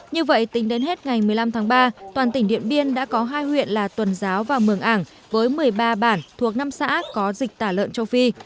như vậy tính đến hết ngày một mươi năm tháng ba toàn tỉnh điện biên đã có hai huyện là tuần giáo và mường ảng với một mươi ba bản thuộc năm xã có dịch tả lợn châu phi